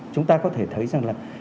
chúng ta có thể thấy rằng là